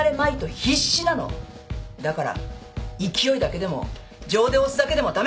だから勢いだけでも情で押すだけでも駄目。